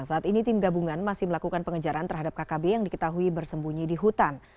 saat ini tim gabungan masih melakukan pengejaran terhadap kkb yang diketahui bersembunyi di hutan